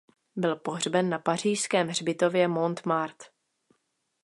Byl pohřben na pařížském hřbitově Montmartre.